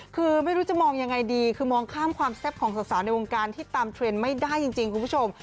คือไม่รู้จะมองยังไงดีคือมองข้ามความแซ่บของสาวในวงการที่ตามเทรนด์ไม่ได้จริงคุณผู้ชม